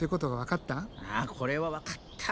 あこれは分かった。